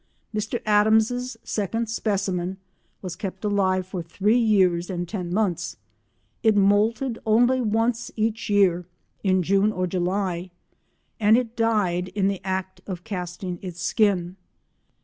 Mr Adams' second specimen was kept alive for three years and ten months. It moulted only once each year—in June or July—and it died in the act of casting its skin.